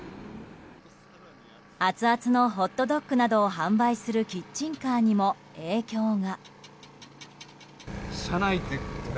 熱々のホットドックなどを販売するキッチンカーにも影響が。